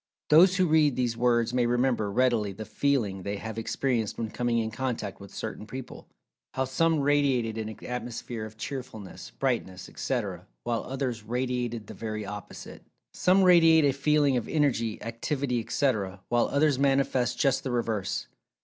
Those who read these words may remember, readily, the "feeling" they have experienced when coming in contact with certain people—how some radiated an atmosphere of cheerfulness, brightness, etc., while others radiated the very opposite. Some radiate a feeling of energy, activity, etc., while others manifest just the reverse.